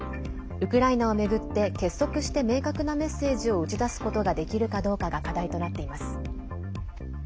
ウクライナを巡って結束して明確なメッセージを打ち出すことができるかどうかが課題となっています。